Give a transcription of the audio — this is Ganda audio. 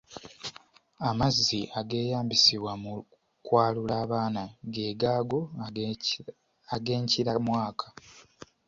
Amazzi ageeyambisibwa mu kwalula abaana ge gaago ag'enkiramwaka.